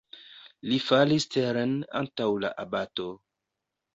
Li falis teren antaŭ la abato.